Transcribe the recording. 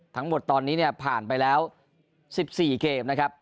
ทั้งหมดตอนนี้เนี่ยผ่านไปแล้ว๑๔เกมนะครับ